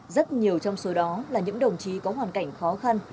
rất nhiều trong số đó là những đồng chí có hoàn cảnh khó khăn